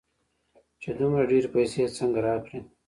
چې دومره ډېرې پيسې يې څنگه راکړې.